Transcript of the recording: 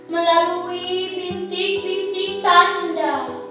melalui bintik bintik tanda